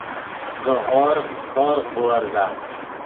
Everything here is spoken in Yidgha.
ڤے ہورغ، ہورغ بُورزا